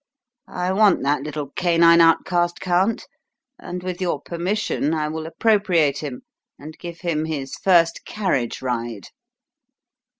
I want that little canine outcast, Count, and with your permission I will appropriate him, and give him his first carriage ride."